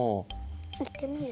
いってみる？